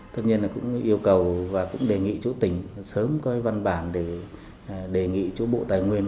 tất nhiên là cũng yêu cầu và cũng đề nghị chỗ tỉnh sớm có văn bản để đề nghị chỗ bộ tài nguyên